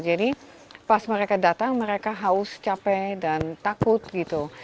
jadi pas mereka datang mereka haus capek dan takut gitu